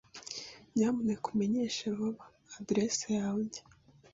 Nyamuneka umenyeshe vuba adresse yawe nshya.